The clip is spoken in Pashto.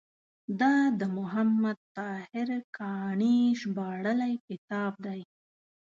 دا د محمد طاهر کاڼي ژباړلی کتاب دی.